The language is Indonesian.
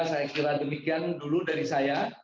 saya kira demikian dulu dari saya